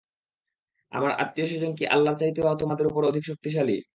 আমার আত্মীয়-স্বজন কি আল্লাহর চাইতেও তোমাদের উপর অধিক শক্তিশালী?